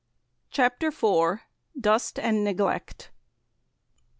CHAPTER IV. DUST AND NEGLECT.